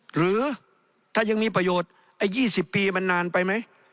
หรือถ้ายังมีประโยชน์ไอ้๒๐ปีมันนานไปไหม